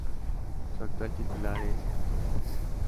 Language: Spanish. Su actual titular es Dña.